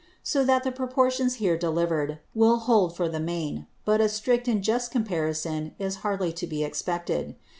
So that the Proportions here deliver'd, will hold for the main; but a strict and just Comparison is hardly to be expected.